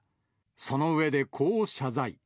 その上で、こう謝罪。